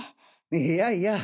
いやいや。